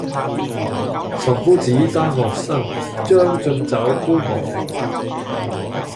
岑夫子，丹丘生，將進酒，杯莫停